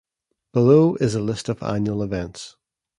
Below is a list of annual events.